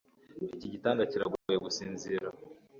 iki gitanda kiragoye gusinzira